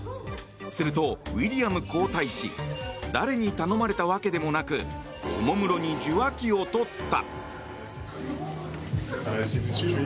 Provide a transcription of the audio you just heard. すると、ウィリアム皇太子誰に頼まれたわけでもなくおもむろに受話器を取った。